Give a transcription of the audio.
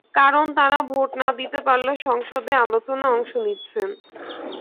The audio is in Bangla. কারণ তাঁরা ভোট না দিতে পারলেও সংসদে আলোচনায় অংশ নিচ্ছেন।